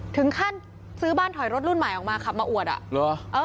ถึงขั้นซื้อบ้านถอยรถรุ่นใหม่ออกมาขับมาอวดอ่ะเหรอ